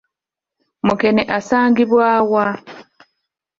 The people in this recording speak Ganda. Mukene asangibwa wa?